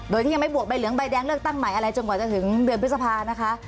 โดยที่ยังไม่บวกใบเหลืองใบแดงเลือกตั้งใหม่อะไรจนกว่าจะถึงเดือนพฤษภานะคะ